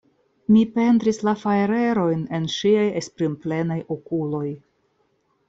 Mi pentris la fajrerojn en ŝiaj esprimplenaj okuloj.